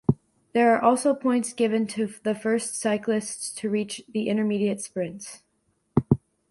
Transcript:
There are also points given to the first cyclists to reach the intermediate sprints.